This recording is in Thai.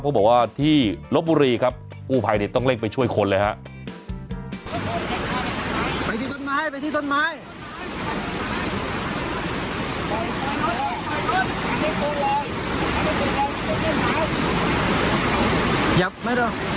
เพราะบอกว่าที่ลบบุรีครับกู้ภัยต้องเร่งไปช่วยคนเลยครับ